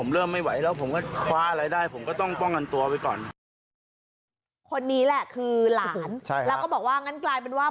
แล้วก็บอกว่างั้นกลายเป็นว่า